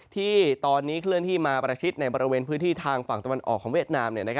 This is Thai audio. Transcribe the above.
ที่ตอนนี้เคลื่อนที่มาประชิดในบริเวณพื้นที่ทางฝั่งตะวันออกของเวียดนาม